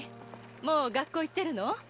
もう学校行ってるの？